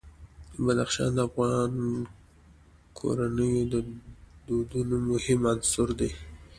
بدخشان د افغان کورنیو د دودونو مهم عنصر دی.